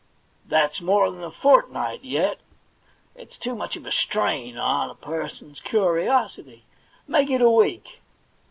* That's more Lhan a fortnight yet. It's too much of a strain on a person's curiosity. Make it a week.'